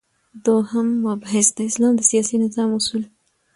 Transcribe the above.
دوهم مبحث : د اسلام د سیاسی نظام اصول